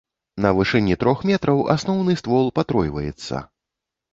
На вышыні трох метраў асноўны ствол патройваецца.